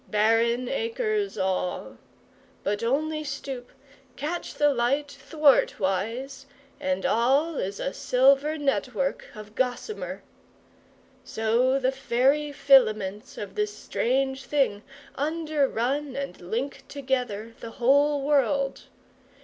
Barren acres, all! But only stoop catch the light thwartwise and all is a silver network of gossamer! So the fairy filaments of this strange thing underrun and link together the whole world.